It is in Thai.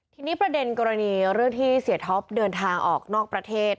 ทีนี้ประเด็นกรณีเรื่องที่เสียท็อปเดินทางออกนอกประเทศ